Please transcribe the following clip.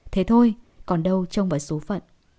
thế thôi còn đâu trông bởi số phận